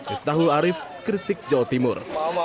miftahul arief gresik jawa timur